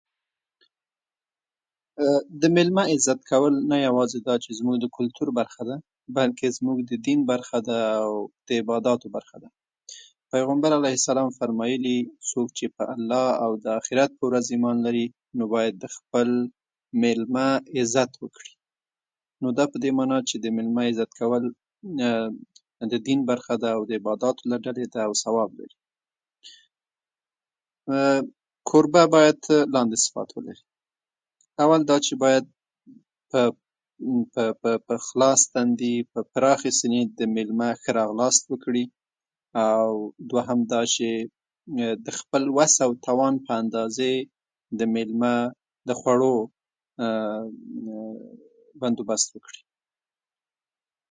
د مېلمه عزت کول نه یوازې دا چې زموږ د کلتور برخه ده، بلکې زموږ د دین برخه ده او د عباداتو برخه ده. پیغمبر صلی الله علیه وسلم فرمایلي، څوک چې په الله او د اخرت په ورځ ایمان لري، باید د خپل مېلمه عزت وکړي؛ نو دا په دې معنی چې د مېلمه عزت کول د دین برخه، د عباداتو برخه ده او ثواب لري. کوربه باید داسې صفات ولري: اول باید په، په، په خلاص تندي، په خلاصې سینې د مېلمه ښه راغلاست وکړي او دوهم دا چې د خپل وس او توان په اندازې د مېلمه د خوړو بندوبست وکړي.